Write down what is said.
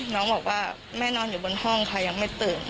น้องบอกว่าแม่นอนอยู่บนห้องค่ะยังไม่ตื่น